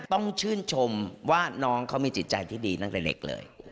ต้องชื่นชมว่าน้องเขามีจิตใจที่ดีตั้งแต่เล็กเลย